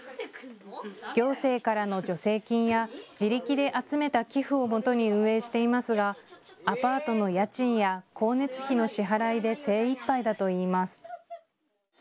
行政からの助成金や自力で集めた寄付をもとに運営していますがアパートの家賃や光熱費の支払いで精いっぱいだといいます。